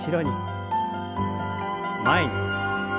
前に。